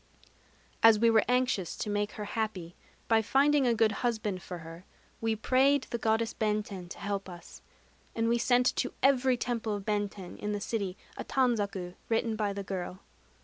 As we were anxious to make her happy by finding a good husband for her, we prayed the Goddess Benten to help us; and we sent to every temple of Benten in the city a tanzaku written by the girl.